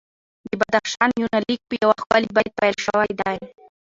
د بدخشان یونلیک په یو ښکلي بیت پیل شوی دی.